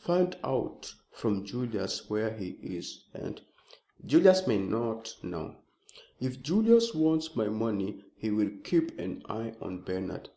Find out from Julius where he is, and " "Julius may not know!" "If Julius wants my money he will keep an eye on Bernard."